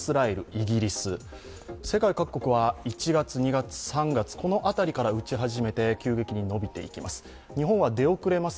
世界各国は１月、２月、３月、このあたりから打ち始めて急激に伸びていきます。